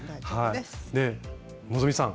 で希さん